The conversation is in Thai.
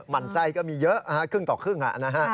มันไส้ก็มีเยอะครึ่งต่อครึ่งนะฮะ